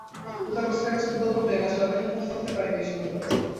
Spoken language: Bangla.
বুদাপেস্টের কাছে বিকল্প প্লেন আছে, তাদেরকে ফোন করতে পারি বেশি হলে।